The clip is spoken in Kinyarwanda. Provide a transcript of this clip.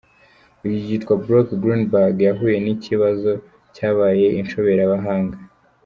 Uyu yitwa Brooke Greenberg yahuye ni kibazo cyabaye inshobera bahanga,.